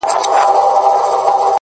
گرانه دا اوس ستا د ځوانۍ په خاطر”